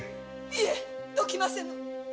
いえどきませぬ。